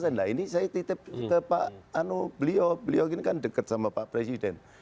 nah ini saya titip ke pak anu beliau beliau ini kan dekat sama pak presiden